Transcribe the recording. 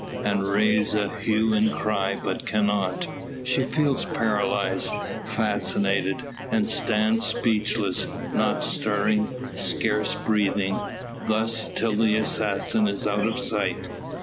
and raise a "hue and cry;" but cannot. She feels paralysed, fascinated; and stands speechless, not stirring, scarce breathing. Thus, till the assassin is out of sight.